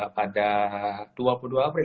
pada dua puluh dua april